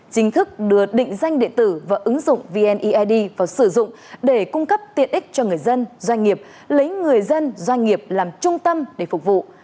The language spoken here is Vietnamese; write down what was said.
chính thức đưa định danh điện tử và ứng dụng vneid vào sử dụng để cung cấp tiện ích cho người dân doanh nghiệp lấy người dân doanh nghiệp làm trung tâm để phục vụ